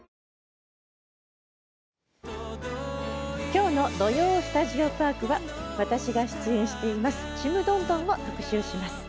きょうの「土曜スタジオパーク」は私が出演している「ちむどんどん」を特集します。